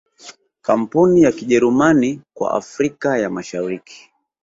Kampuni ya Kijerumani kwa Afrika ya Mashariki